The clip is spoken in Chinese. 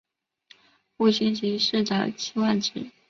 互信息是的期望值。